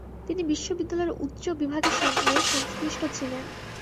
তিনি বিশ্ববিদ্যালয়ের উচ্চ বিভাগের সঙ্গে সংশ্লিষ্ট ছিলেন।